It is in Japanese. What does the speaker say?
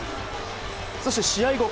そして試合後